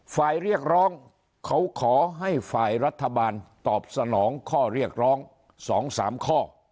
เรียกร้องเขาขอให้ฝ่ายรัฐบาลตอบสนองข้อเรียกร้อง๒๓ข้อ